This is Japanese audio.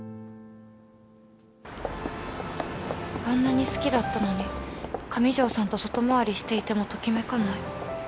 あんなに好きだったのに上条さんと外回りしていてもときめかない。